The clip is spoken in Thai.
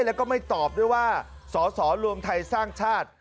แล้วก็ไม่ตอบด้วยว่าสอสอรวมไทยสร้างชาติ